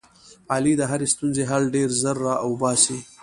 علي د هرې ستونزې حل ډېر زر را اوباسي.